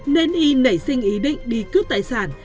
nên y nảy sinh ý định đi cướp tài sản